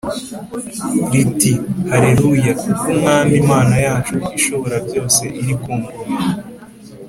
riti “Haleluya! Kuko Umwami Imana yacu Ishoborabyose iri ku ngoma!